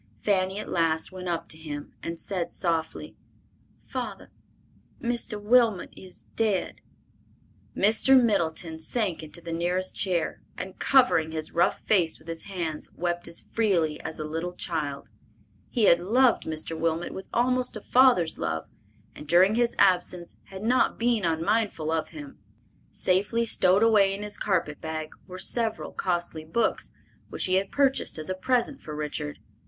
Fanny at last went up to him and said softly, "Father, Mr. Wilmot is dead!" Mr. Middleton sank into the nearest chair, and covering his rough face with his hands, wept as freely as a little child. He had loved Mr. Wilmot with almost a father's love, and during his absence had not been unmindful of him. Safely stowed away in his carpet bag were several costly books, which he had purchased as a present for Richard.